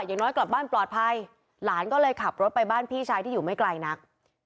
อย่างน้อยกลับบ้านปลอดภัยหลานก็เลยขับรถไปบ้านพี่ชายที่อยู่ไม่ไกลนัก